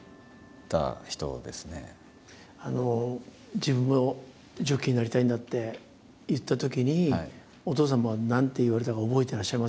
「自分もジョッキーになりたいんだ」って言ったときにお父様は何て言われたか覚えていらっしゃいます？